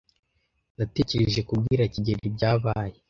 Natekereje kubwira kigeli ibyabaye.